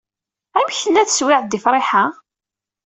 Amek tella teswiɛt di Friḥa?